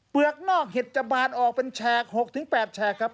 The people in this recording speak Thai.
กนอกเห็ดจะบานออกเป็นแฉก๖๘แฉกครับ